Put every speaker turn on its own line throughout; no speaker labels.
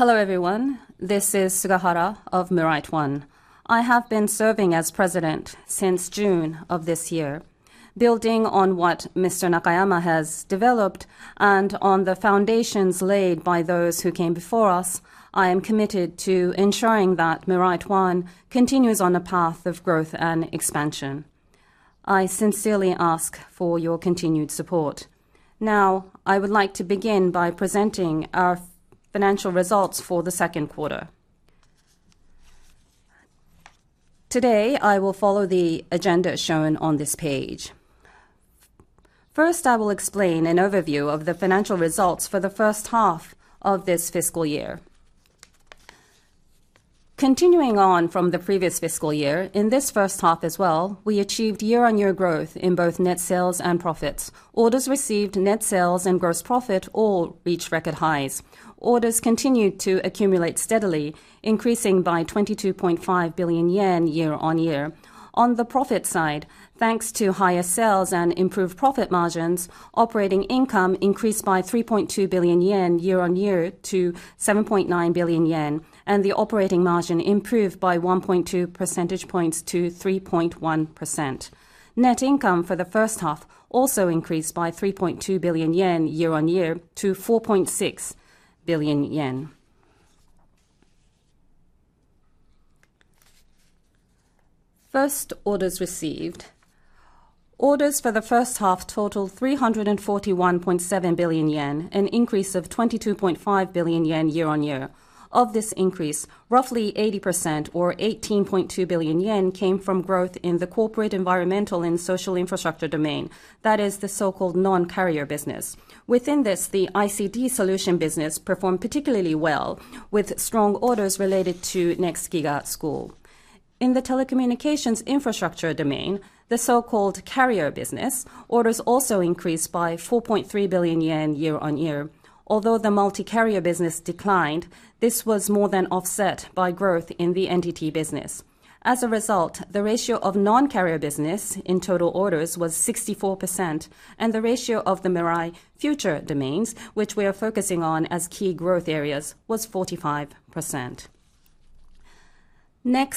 Hello, everyone. This is Sugahara of MIRAIT ONE. I have been serving as president since June of this year. Building on what Mr. Nakayama has developed and on the foundations laid by those who came before us, I am committed to ensuring that MIRAIT ONE continues on a path of growth and expansion. I sincerely ask for your continued support. Now, I would like to begin by presenting our financial results for the second quarter. Today, I will follow the agenda shown on this page. First, I will explain an overview of the financial results for the first half of this fiscal year. Continuing on from the previous fiscal year, in this first half as well, we achieved year-on-year growth in both net sales and profits. Orders received, net sales, and gross profit all reached record highs. Orders continued to accumulate steadily, increasing by 22.5 billion yen year-on-year. On the profit side, thanks to higher sales and improved profit margins, operating income increased by 3.2 billion yen year-on-year to 7.9 billion yen, and the operating margin improved by 1.2 percentage points to 3.1%. Net income for the first half also increased by 3.2 billion yen year-on-year to 4.6 billion yen. First, orders received. Orders for the first half totaled 341.7 billion yen, an increase of 22.5 billion yen year-on-year. Of this increase, roughly 80% or 18.2 billion yen came from growth in the corporate environmental and social infrastructure domain. That is the so-called non-carrier business. Within this, the ICT solution business performed particularly well with strong orders related to NEXT GIGA School. In the telecommunications infrastructure domain, the so-called carrier business, orders also increased by 4.3 billion yen year-over-year. Although the multi-carrier business declined, this was more than offset by growth in the NTT business. The ratio of non-carrier business in total orders was 64%, and the ratio of the MIRAI Domains, which we are focusing on as key growth areas, was 45%. Net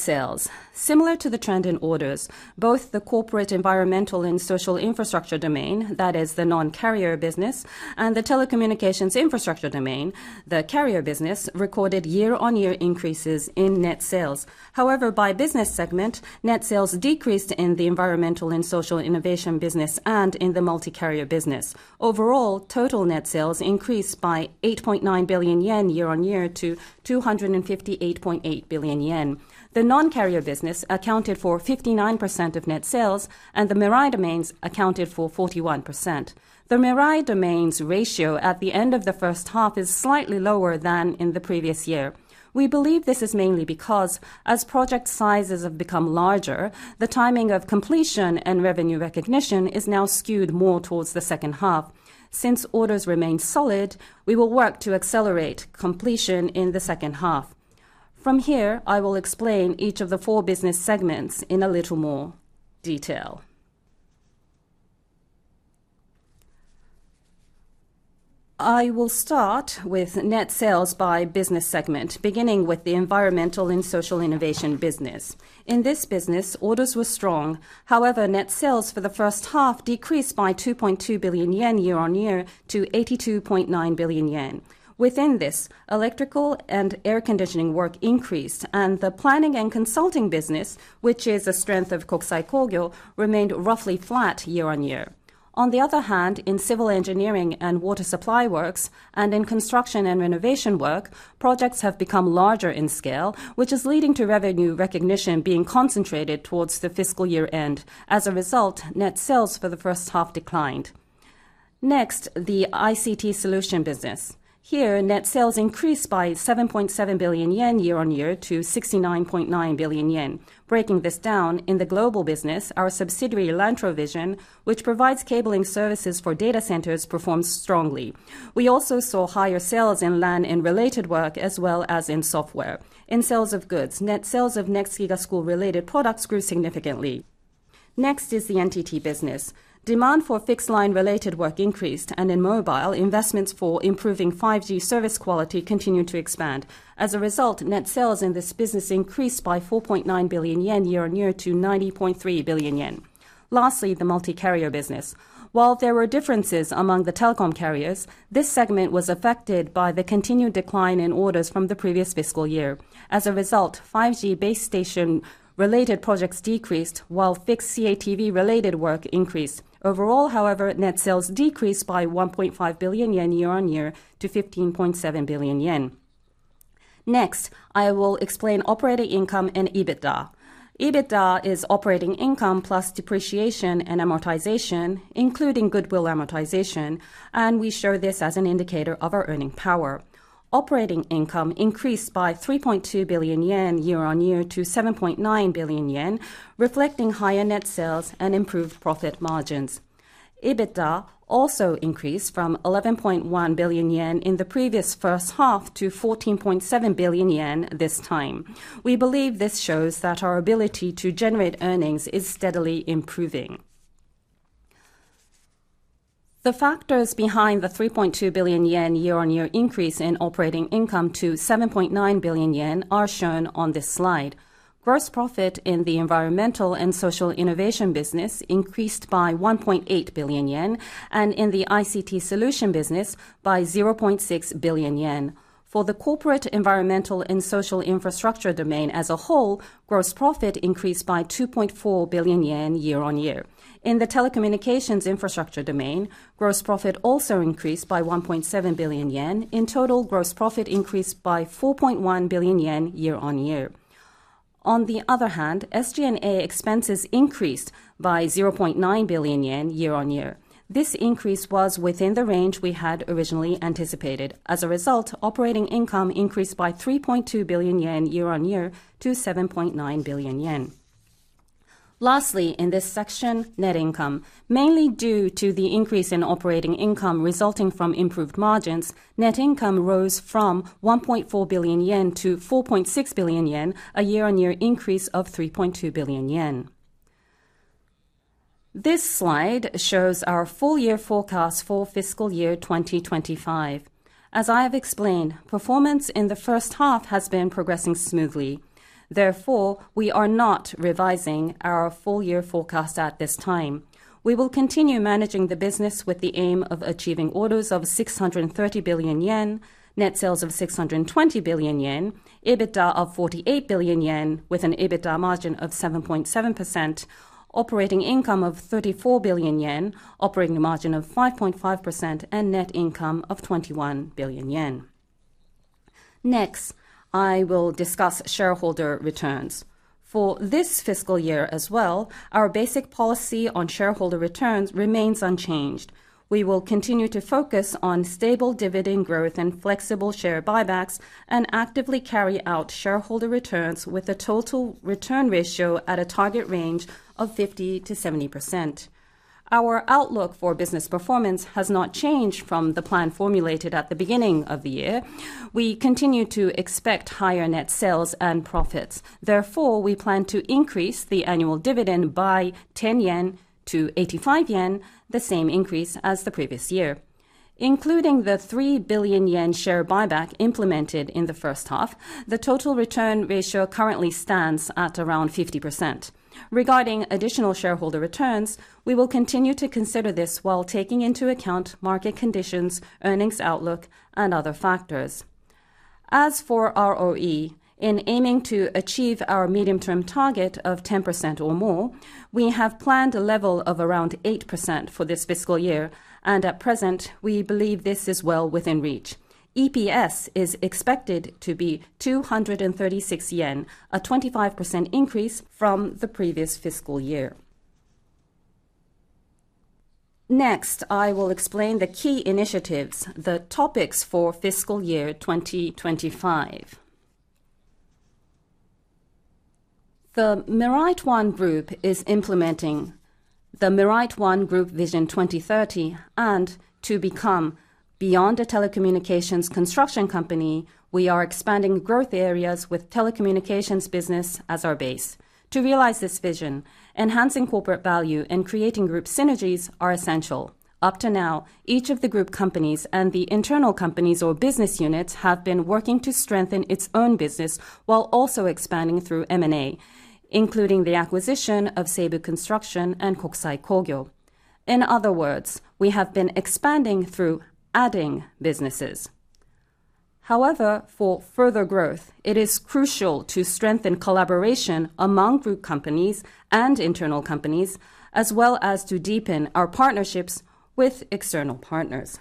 sales. Similar to the trend in orders, both the corporate environmental and social infrastructure domain, that is the non-carrier business, and the telecommunications infrastructure domain, the carrier business, recorded year-over-year increases in net sales. By business segment, net sales decreased in the environmental and social innovation business and in the multi-carrier business. Total net sales increased by 8.9 billion yen year-over-year to 258.8 billion yen. The non-carrier business accounted for 59% of net sales, and the MIRAI Domains accounted for 41%. The MIRAI Domains ratio at the end of the first half is slightly lower than in the previous year. We believe this is mainly because as project sizes have become larger, the timing of completion and revenue recognition is now skewed more towards the second half. Since orders remain solid, we will work to accelerate completion in the second half. From here, I will explain each of the 4 business segments in a little more detail. I will start with net sales by business segment, beginning with the environmental and social innovation business. In this business, orders were strong. However, net sales for the first half decreased by 2.2 billion yen year-on-year to 82.9 billion yen. Within this, electrical and air conditioning work increased. The planning and consulting business, which is a strength of Kokusai Kogyo, remained roughly flat year-on-year. In civil engineering and water supply works, and in construction and renovation work, projects have become larger in scale, which is leading to revenue recognition being concentrated towards the fiscal year-end. Net sales for the first half declined. The ICT solution business. Here, net sales increased by 7.7 billion yen year-on-year to 69.9 billion yen. Breaking this down, in the global business, our subsidiary, LanTroVision, which provides cabling services for data centers, performed strongly. We also saw higher sales in LAN and related work, as well as in software. In sales of goods, net sales of NEXT GIGA School-related products grew significantly. The NTT business. Demand for fixed line related work increased, and in mobile, investments for improving 5G service quality continued to expand. As a result, net sales in this business increased by 4.9 billion yen year-on-year to 90.3 billion yen. Lastly, the multi-carrier business. While there were differences among the telecom carriers, this segment was affected by the continued decline in orders from the previous fiscal year. As a result, 5G base station related projects decreased while fixed CATV related work increased. Overall, however, net sales decreased by 1.5 billion yen year-on-year to 15.7 billion yen. Next, I will explain operating income and EBITDA. EBITDA is operating income plus depreciation and amortization, including goodwill amortization, and we show this as an indicator of our earning power. Operating income increased by 3.2 billion yen year-on-year to 7.9 billion yen, reflecting higher net sales and improved profit margins. EBITDA also increased from 11.1 billion yen in the previous first half to 14.7 billion yen this time. We believe this shows that our ability to generate earnings is steadily improving. The factors behind the 3.2 billion yen year-on-year increase in operating income to 7.9 billion yen are shown on this slide. Gross profit in the environmental and social innovation business increased by 1.8 billion yen, and in the ICT solution business by 0.6 billion yen. For the corporate, environmental, and social infrastructure domain as a whole, gross profit increased by 2.4 billion yen year-on-year. In the telecommunications infrastructure domain, gross profit also increased by 1.7 billion yen. In total, gross profit increased by 4.1 billion yen year-on-year. On the other hand, SG&A expenses increased by 0.9 billion yen year-on-year. This increase was within the range we had originally anticipated. As a result, operating income increased by 3.2 billion yen year-on-year to 7.9 billion yen. Lastly, in this section, net income. Mainly due to the increase in operating income resulting from improved margins, net income rose from 1.4 billion yen to 4.6 billion yen, a year-on-year increase of 3.2 billion yen. This slide shows our full year forecast for fiscal year 2025. As I have explained, performance in the first half has been progressing smoothly. We are not revising our full year forecast at this time. We will continue managing the business with the aim of achieving orders of 630 billion yen, net sales of 620 billion yen, EBITDA of 48 billion yen with an EBITDA margin of 7.7%, operating income of 34 billion yen, operating margin of 5.5%, and net income of 21 billion yen. I will discuss shareholder returns. For this fiscal year as well, our basic policy on shareholder returns remains unchanged. We will continue to focus on stable dividend growth and flexible share buybacks and actively carry out shareholder returns with a total return ratio at a target range of 50%-70%. Our outlook for business performance has not changed from the plan formulated at the beginning of the year. We continue to expect higher net sales and profits. We plan to increase the annual dividend by 10 yen to 85 yen, the same increase as the previous year. Including the 3 billion yen share buyback implemented in the first half, the total return ratio currently stands at around 50%. Regarding additional shareholder returns, we will continue to consider this while taking into account market conditions, earnings outlook, and other factors. As for ROE, in aiming to achieve our medium-term target of 10% or more, we have planned a level of around 8% for this fiscal year, and at present, we believe this is well within reach. EPS is expected to be 236 yen, a 25% increase from the previous fiscal year. I will explain the key initiatives, the topics for fiscal year 2025. The MIRAIT ONE Group is implementing the MIRAIT ONE Group Vision 2030, to become beyond a telecommunications construction company, we are expanding growth areas with telecommunications business as our base. To realize this vision, enhancing corporate value and creating group synergies are essential. Up to now, each of the group companies and the internal companies or business units have been working to strengthen its own business while also expanding through M&A, including the acquisition of SEIBU CONSTRUCTION and Kokusai Kogyo. In other words, we have been expanding through adding businesses. For further growth, it is crucial to strengthen collaboration among group companies and internal companies, as well as to deepen our partnerships with external partners.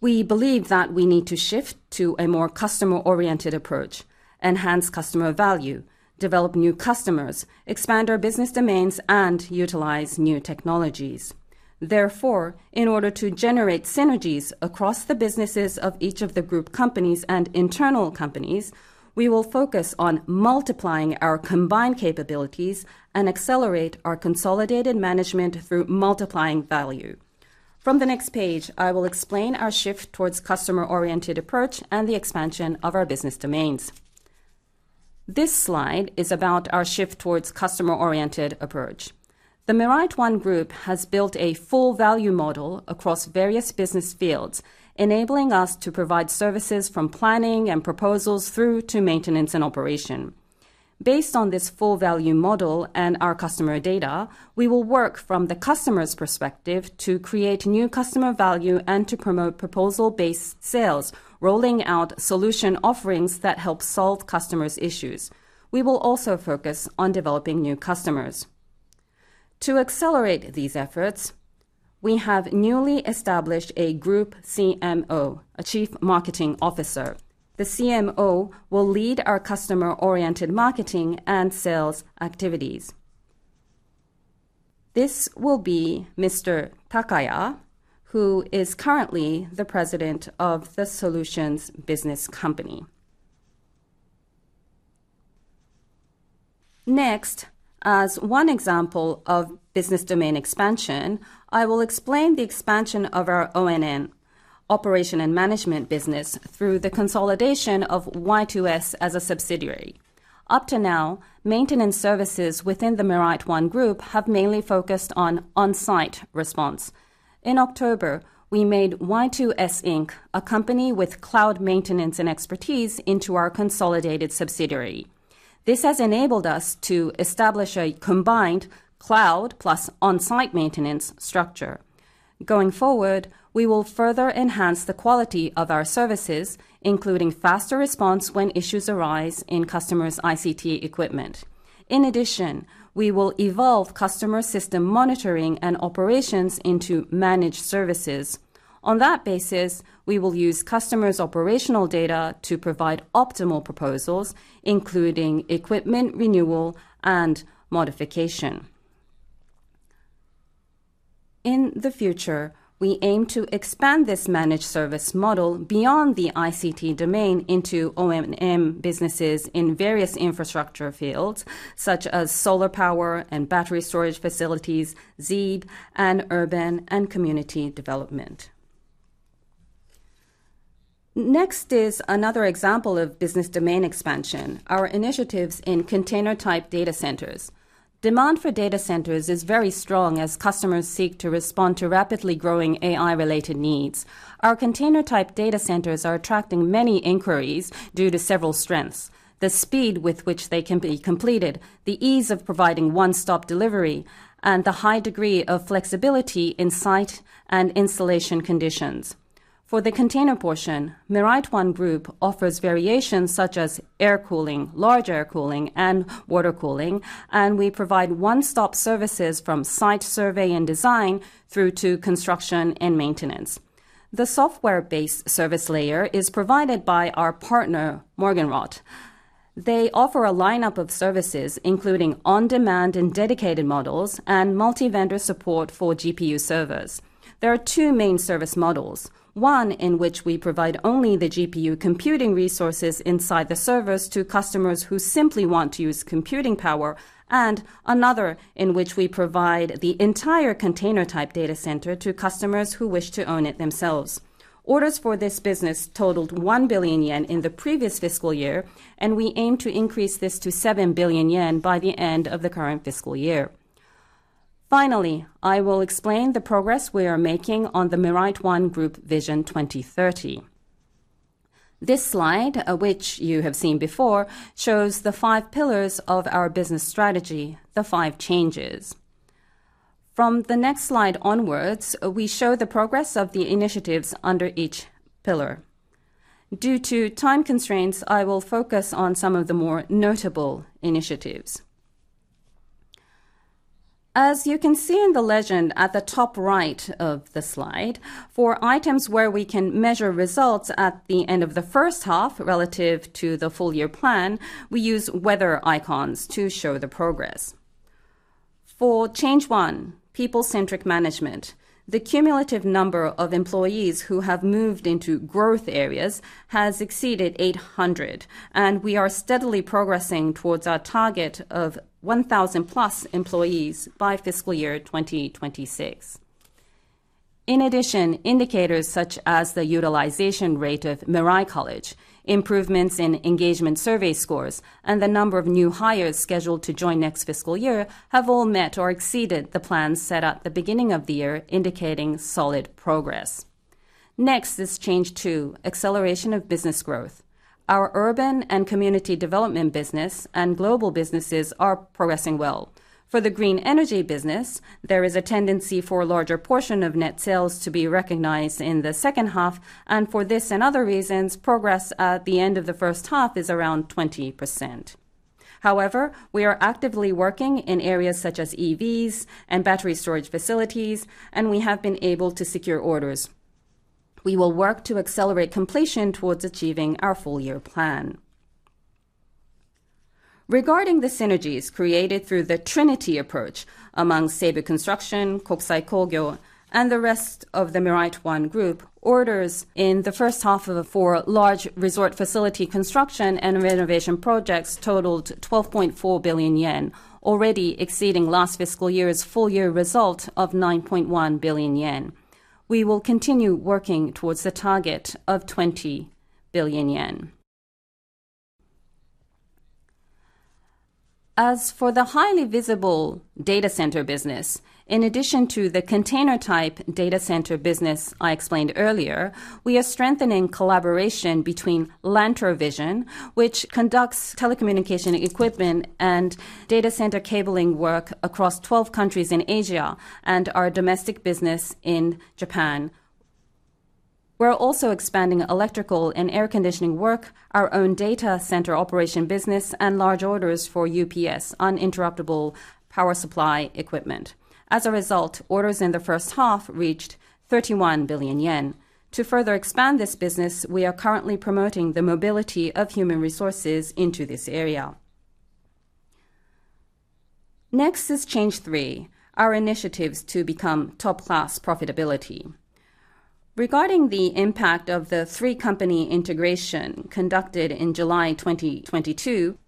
We believe that we need to shift to a more customer-oriented approach, enhance customer value, develop new customers, expand our business domains, and utilize new technologies. In order to generate synergies across the businesses of each of the group companies and internal companies, we will focus on multiplying our combined capabilities and accelerate our consolidated management through multiplying value. From the next page, I will explain our shift towards customer-oriented approach and the expansion of our business domains. This slide is about our shift towards customer-oriented approach. The MIRAIT ONE Group has built a Full-Value Model across various business fields, enabling us to provide services from planning and proposals through to maintenance and operation. Based on this Full-Value Model and our customer data, we will work from the customer's perspective to create new customer value and to promote proposal-based sales, rolling out solution offerings that help solve customers' issues. We will also focus on developing new customers. To accelerate these efforts, we have newly established a group CMO, a chief marketing officer. The CMO will lead our customer-oriented marketing and sales activities. This will be Mr. Takaya, who is currently the president of the Solutions Business Company. As 1 example of business domain expansion, I will explain the expansion of our O&M, operation and management business, through the consolidation of Y2S as a subsidiary. Up to now, maintenance services within the MIRAIT ONE Group have mainly focused on on-site response. In October, we made Y2S Inc, a company with cloud maintenance and expertise into our consolidated subsidiary. This has enabled us to establish a combined cloud plus on-site maintenance structure. Going forward, we will further enhance the quality of our services, including faster response when issues arise in customers' ICT equipment. In addition, we will evolve customer system monitoring and operations into managed services. On that basis, we will use customers' operational data to provide optimal proposals, including equipment renewal and modification. In the future, we aim to expand this managed service model beyond the ICT domain into O&M businesses in various infrastructure fields, such as solar power and battery storage facilities, ZEB and urban and community development. Next is another example of business domain expansion, our initiatives in container-type data centers. Demand for data centers is very strong as customers seek to respond to rapidly growing AI-related needs. Our container-type data centers are attracting many inquiries due to several strengths. The speed with which they can be completed, the ease of providing one-stop delivery, and the high degree of flexibility in site and installation conditions. For the container portion, MIRAIT ONE Group offers variations such as air cooling, large air cooling, and water cooling, and we provide one-stop services from site survey and design through to construction and maintenance. The software-based service layer is provided by our partner, Morgenrot. They offer a lineup of services, including on-demand and dedicated models and multi-vendor support for GPU servers. There are 2 main service models, 1 in which we provide only the GPU computing resources inside the servers to customers who simply want to use computing power, and another in which we provide the entire container type data center to customers who wish to own it themselves. Orders for this business totaled 1 billion yen in the previous fiscal year, and we aim to increase this to 7 billion yen by the end of the current fiscal year. Finally, I will explain the progress we are making on the MIRAIT ONE Group Vision 2030. This slide, which you have seen before, shows the 5 pillars of our business strategy, the 5 changes. From the next slide onwards, we show the progress of the initiatives under each pillar. Due to time constraints, I will focus on some of the more notable initiatives. As you can see in the legend at the top right of the slide, for items where we can measure results at the end of the first half relative to the full year plan, we use weather icons to show the progress. For Change 1: People-Centric Management, the cumulative number of employees who have moved into growth areas has exceeded 800, and we are steadily progressing towards our target of 1,000+ employees by fiscal year 2026. In addition, indicators such as the utilization rate of MIRAI College, improvements in engagement survey scores, and the number of new hires scheduled to join next fiscal year have all met or exceeded the plans set at the beginning of the year, indicating solid progress. Next is Change 2: Acceleration of Business Growth. Our urban and community development business and global businesses are progressing well. For the green energy business, there is a tendency for a larger portion of net sales to be recognized in the second half. For this and other reasons, progress at the end of the first half is around 20%. However, we are actively working in areas such as EVs and battery storage facilities, and we have been able to secure orders. We will work to accelerate completion towards achieving our full year plan. Regarding the synergies created through the Trinity Approach among SEIBU CONSTRUCTION, Kokusai Kogyo, and the rest of the MIRAIT ONE Group, orders in the first half of the 4 large resort facility construction and renovation projects totaled 12.4 billion yen, already exceeding last fiscal year's full year result of 9.1 billion yen. We will continue working towards the target of 20 billion yen. As for the highly visible data center business, in addition to the container-type data center business I explained earlier, we are strengthening collaboration between LanTroVision, which conducts telecommunication equipment and data center cabling work across 12 countries in Asia and our domestic business in Japan. We're also expanding electrical and air conditioning work, our own data center operation business, and large orders for UPS uninterruptible power supply equipment. As a result, orders in the first half reached 31 billion yen. To further expand this business, we are currently promoting the mobility of human resources into this area. Next is Change 3: Our initiatives to become top-class profitability. Regarding the impact of the 3 company integration conducted in July 2022,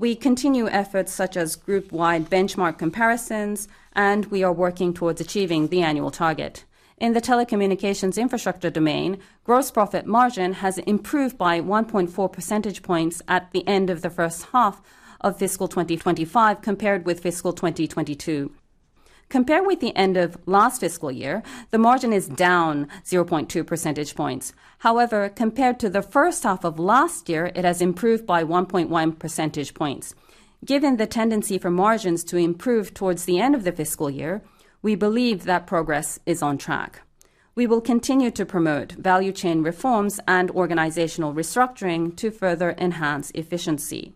we continue efforts such as group-wide benchmark comparisons, and we are working towards achieving the annual target. In the telecommunications infrastructure domain, gross profit margin has improved by 1.4 percentage points at the end of the first half of fiscal 2025 compared with fiscal 2022. Compared with the end of last fiscal year, the margin is down 0.2 percentage points. However, compared to the first half of last year, it has improved by 1.1 percentage points. Given the tendency for margins to improve towards the end of the fiscal year, we believe that progress is on track. We will continue to promote value chain reforms and organizational restructuring to further enhance efficiency.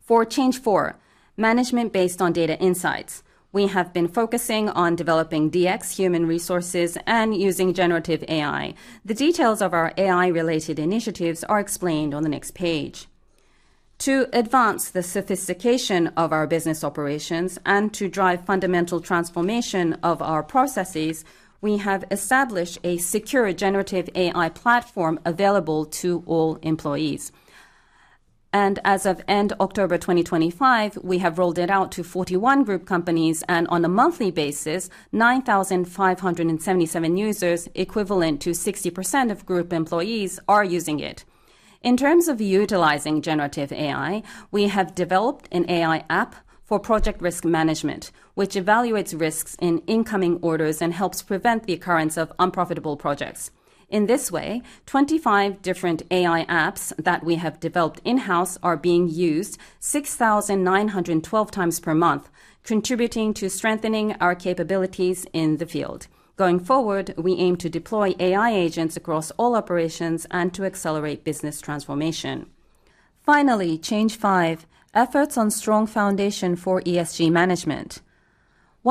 For Change 4, management based on data insights. We have been focusing on developing DX human resources and using generative AI. The details of our AI-related initiatives are explained on the next page. To advance the sophistication of our business operations and to drive fundamental transformation of our processes, we have established a secure generative AI platform available to all employees. As of end October 2025, we have rolled it out to 41 Group companies, and on a monthly basis, 9,577 users, equivalent to 60% of Group employees are using it. In terms of utilizing generative AI, we have developed an AI app for project risk management, which evaluates risks in incoming orders and helps prevent the occurrence of unprofitable projects. In this way, 25 different AI apps that we have developed in-house are being used 6,912 times per month, contributing to strengthening our capabilities in the field. Going forward, we aim to deploy AI agents across all operations and to accelerate business transformation. Finally, Change 5, efforts on strong foundation for ESG management.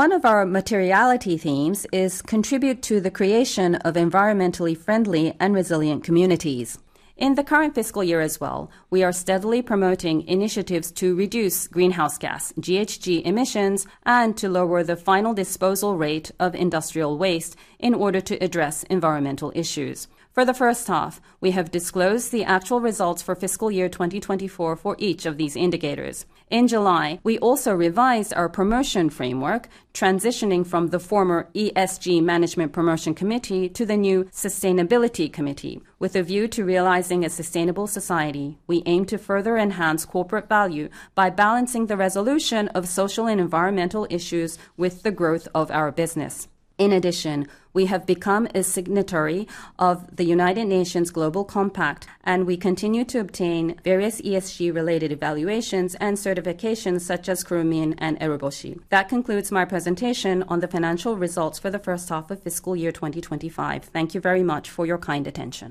One of our materiality themes is contribute to the creation of environmentally friendly and resilient communities. In the current fiscal year as well, we are steadily promoting initiatives to reduce greenhouse gas, GHG emissions, and to lower the final disposal rate of industrial waste in order to address environmental issues. For the first half, we have disclosed the actual results for fiscal year 2024 for each of these indicators. In July, we also revised our promotion framework, transitioning from the former ESG Management Promotion Committee to the new Sustainability Committee. With a view to realizing a sustainable society, we aim to further enhance corporate value by balancing the resolution of social and environmental issues with the growth of our business. We have become a signatory of the United Nations Global Compact, and we continue to obtain various ESG-related evaluations and certifications such as Kurumin and Eruboshi. That concludes my presentation on the financial results for the first half of fiscal year 2025. Thank you very much for your kind attention.